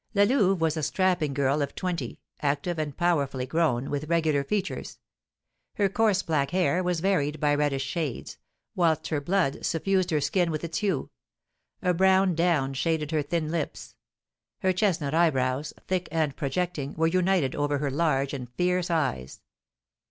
La Louve was a strapping girl of twenty, active, and powerfully grown, with regular features. Her coarse black hair was varied by reddish shades, whilst her blood suffused her skin with its hue; a brown down shaded her thin lips; her chestnut eyebrows, thick and projecting, were united over her large and fierce eyes.